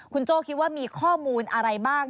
คุณโจ้คิดว่ามีข้อมูลอะไรบ้าง